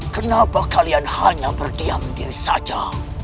kenapa kalian hanya berdiam diri saja